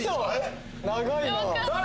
長いな。誰？